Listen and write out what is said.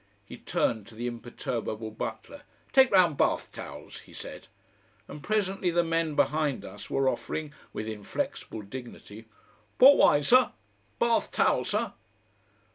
He turned to the imperturbable butler. "Take round bath towels," he said; and presently the men behind us were offering with inflexible dignity "Port wine, Sir. Bath towel, Sir!"